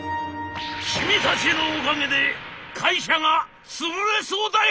「君たちのおかげで会社が潰れそうだよ！」。